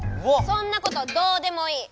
そんなことどうでもいい！